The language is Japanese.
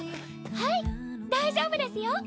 はい大丈夫ですよ。